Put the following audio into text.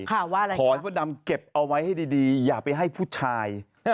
ขอให้พ่อดำเก็บเอาไว้ให้ดีอย่าไปให้ผู้ชาย